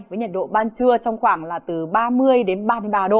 với nhiệt độ ban trưa trong khoảng là từ ba bốn độ